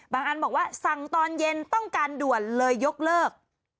อันบอกว่าสั่งตอนเย็นต้องการด่วนเลยยกเลิก